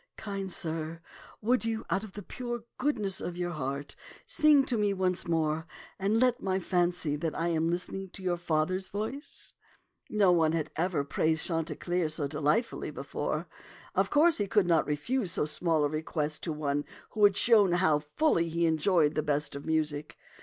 Kind sir, would you out of the pure goodness of your heart sing to me once more, and let me fancy that I am listening to your father's voice? " No one had ever praised Chanticleer so delightfully before. Of course he could not refuse so small a request to one who had shown how fully he enjoyed the best of music.